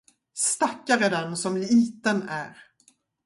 Stackare den, som liten är!